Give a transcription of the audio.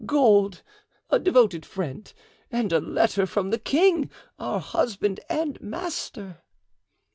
Gold, a devoted friend, and a letter from the king, our husband and master."